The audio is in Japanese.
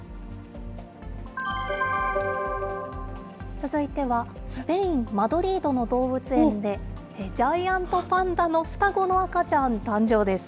続いては、スペイン・マドリードの動物園で、ジャイアントパンダの双子の赤ちゃん誕生です。